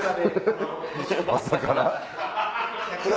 朝から？